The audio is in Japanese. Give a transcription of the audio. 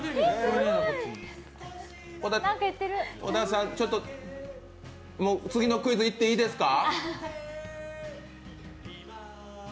小田さん、ちょっと次のクイズいっていいですか？